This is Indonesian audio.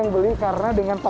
ini paling tiga ya